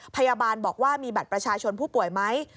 พยาบาลบอกว่ามีบัตรประชาชนผู้ป่วยไหม